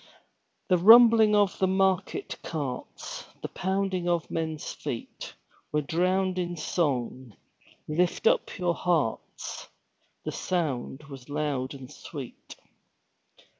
The rumbling of the market carts, The pounding of men's feet Were drowned in song; "Lift up your hearts!" The sound was loud and sweet.